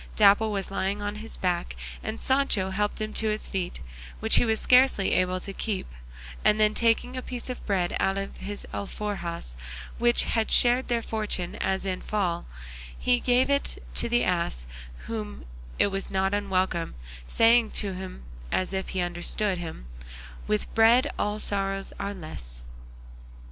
Dapple was lying on his back, and Sancho helped him to his feet, which he was scarcely able to keep; and then taking a piece of bread out of his alforjas which had shared their fortunes in the fall, he gave it to the ass, to whom it was not unwelcome, saying to him as if he understood him, "With bread all sorrows are less."